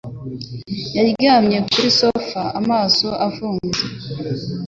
Yaryamye kuri sofa amaso afunze.